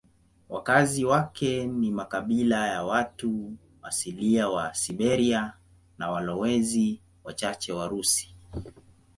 Wakazi wake ni makabila ya watu asilia wa Siberia na walowezi wachache Warusi.